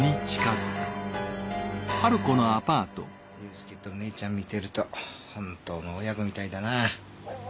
佑介と姉ちゃん見てると本当の親子みたいだなぁ。